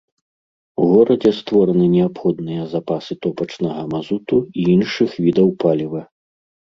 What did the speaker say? У горадзе створаны неабходныя запасы топачнага мазуту і іншых відаў паліва.